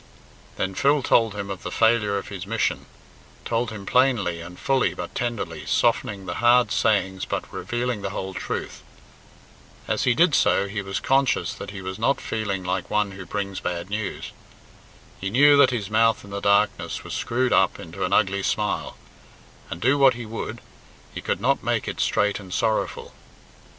Then Phil told him of the failure of his mission told him plainly and fully but tenderly, softening the hard sayings but revealing the whole truth. As he did so he was conscious that he was not feeling like one who brings bad news. He knew that his mouth in the darkness was screwed up into an ugly smile, and, do what he would; he could not make it straight and sorrowful.